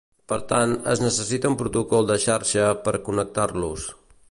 Per tant, es necessita un protocol de xarxa per "connectar-los".